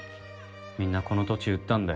みんなこの土地売ったんだよ